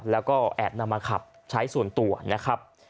แล้วก็แอบนำมาขับใช้ส่วนตัวนะครับ